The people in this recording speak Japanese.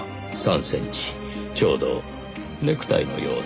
ちょうどネクタイのような。